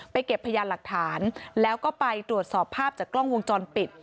เก็บพยานหลักฐานแล้วก็ไปตรวจสอบภาพจากกล้องวงจรปิด